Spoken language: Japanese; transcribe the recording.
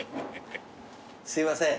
すいません。